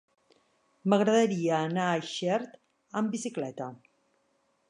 M'agradaria anar a Xert amb bicicleta.